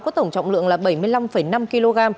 có tổng trọng lượng là bảy mươi năm năm kg